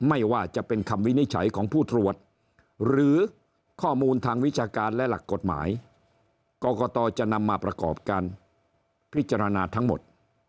ไม่ว่าจะเป็นคำวินิจฉัยของผู้ตรวจหรือข้อมูลทางวิชาการและหลักกฎหมายกรกตจะนำมาประกอบการพิจารณาทั้งหมด